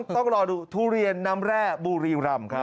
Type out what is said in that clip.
ต้องรอดูทุเรียนน้ำแร่บุรีรำครับ